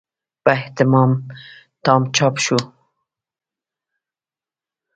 په اهتمام تام چاپ شو.